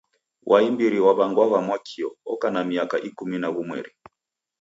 Wa imbiri waw'angwagha Mwakio oka na miaka ikumi na ghumweri.